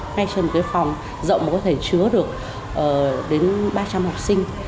ngay trên một cái phòng rộng mà có thể chứa được đến ba trăm linh học sinh